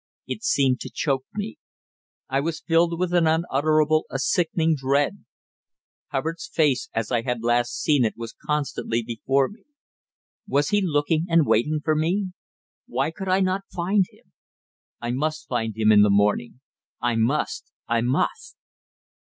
It seemed to choke me. I was filled with an unutterable, a sickening dread. Hubbard's face as I had last seen it was constantly before me. Was he looking and waiting for me? Why could I not find him? I must find him in the morning. I must, I must.